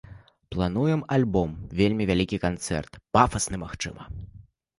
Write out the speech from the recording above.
Плануем альбом, вельмі вялікі канцэрт, пафасны, магчыма.